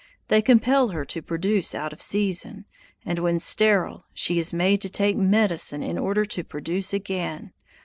They compel her to produce out of season, and when sterile she is made to take medicine in order to produce again.